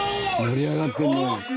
盛り上がってるね。